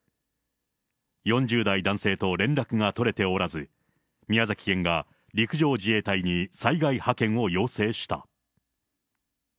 ４０代男性と連絡が取れておらず、宮崎県が陸上自衛隊に災害派遣を要請した。